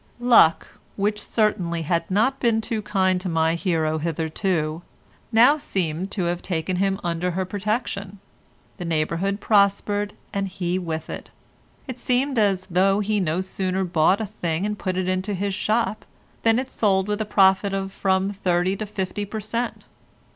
Luck, which certainly had not been too kind to my hero hitherto, now seemed to have taken him under her protection. The neighbourhood prospered, and he with it. It seemed as though he no sooner bought a thing and put it into his shop, than it sold with a profit of from thirty to fifty per cent.